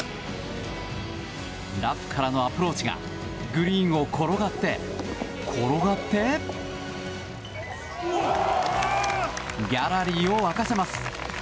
ラフからのアプローチがグリーンを転がって、転がってギャラリーを沸かせます。